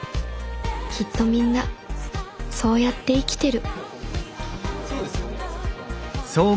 きっとみんなそうやって生きてる。